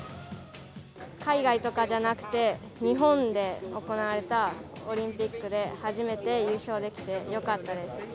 海外とかじゃなくて、日本で行われたオリンピックで、初めて優勝できてよかったです。